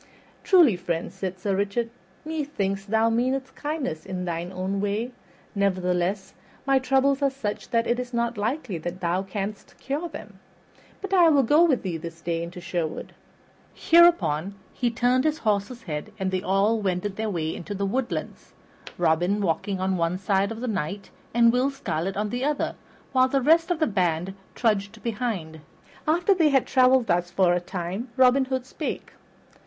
"Truly, friend," said Sir Richard, "methinks thou meanest kindness in thine own way; nevertheless my troubles are such that it is not likely that thou canst cure them. But I will go with thee this day into Sherwood." Hereupon he turned his horse's head, and they all wended their way to the woodlands, Robin walking on one side of the Knight and Will Scarlet on the other, while the rest of the band trudged behind. After they had traveled thus for a time Robin Hood spake.